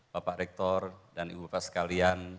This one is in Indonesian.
bapak rektor dan ibu bapak sekalian